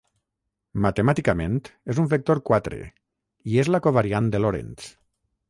Matemàticament és un vector quatre, i és la covariant de Lorentz.